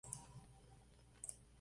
Cuenta con tres altares.